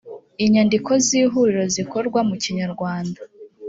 inyandiko z ihuriro zikorwa mu kinyarwanda